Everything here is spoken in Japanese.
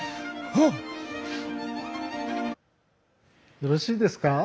よろしいですか？